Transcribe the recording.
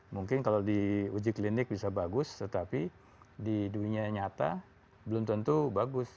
mungkin kalau di uji klinik bisa bagus tetapi di dunia nyata belum tentu bagus